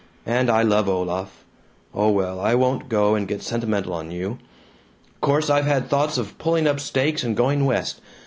And I love Olaf Oh well, I won't go and get sentimental on you. "Course I've had thoughts of pulling up stakes and going West.